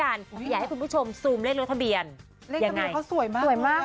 อยากให้คุณผู้ชมซูมเลขรถทะเบียนเลขทะเบียนเขาสวยมากสวยมาก